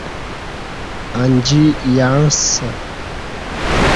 انجی یعݩسہ